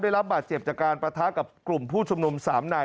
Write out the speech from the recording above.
ได้รับบาดเจ็บจากการปะทะกับกลุ่มผู้ชุมนุม๓นาย